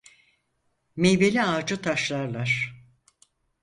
Meyveli ağacı taşlarlar.